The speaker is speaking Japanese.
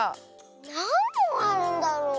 なんぼんあるんだろう。